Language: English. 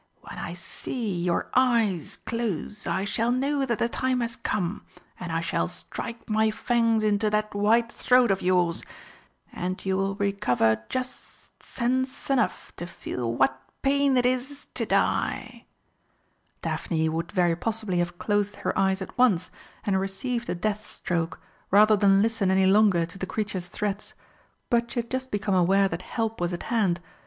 When I see your eyes close I shall know that the time has come, and I shall strike my fangs into that white throat of yours, and you will recover just sense enough to feel what pain it is to die!" Daphne would very possibly have closed her eyes at once and received the death stroke rather than listen any longer to the creature's threats, but she had just become aware that help was at hand.